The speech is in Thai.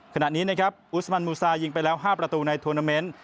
ขณะนี้นะครับอุสมันมูซายิงไปแล้ว๕ประตูในทวนาเมนต์